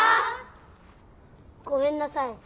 ごめんなさい。